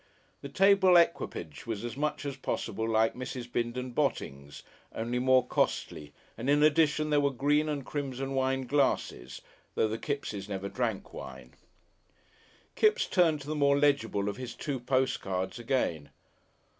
The table equipage was as much as possible like Mrs. Bindon Botting's, only more costly, and in addition there were green and crimson wine glasses though the Kippses never drank wine. Kipps turned to the more legible of his two postcards again.